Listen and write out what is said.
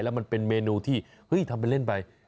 แล้วมันเป็นเมนูที่เฮ้ยทำไปเล่นไป